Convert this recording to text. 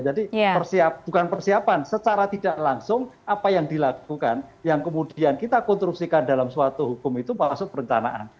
jadi bukan persiapan secara tidak langsung apa yang dilakukan yang kemudian kita kontruksikan dalam suatu hukum itu masuk perencanaan